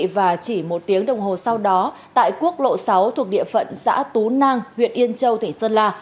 và chỉ một tiếng đồng hồ sau đó tại quốc lộ sáu thuộc địa phận xã tú nang huyện yên châu tỉnh sơn la